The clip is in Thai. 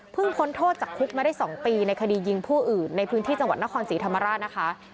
พ้นโทษจากคุกมาได้๒ปีในคดียิงผู้อื่นในพื้นที่จังหวัดนครศรีธรรมราชนะคะ